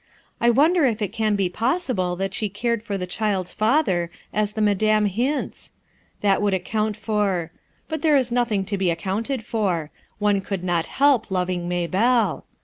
I wonder if it can be possible that she cared for the child's father, as the Madame hints ? That would account for — but there is nothing to be accounted for; one could not help loving Maybelle.